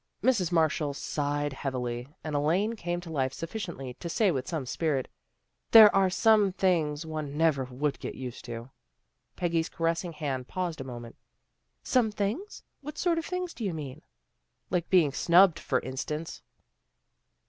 Mrs. Marshall sighed heavily, and Elaine came to life sufficiently to say with some spirit, " There are some things one never would get used to." Peggy's caressing hand paused a moment. " Some things! What sort of things do you mean? "" Like being snubbed, for instance."